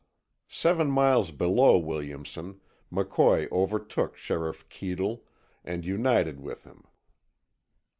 Seven miles below Williamson, McCoy overtook Sheriff Keadle, and united with him.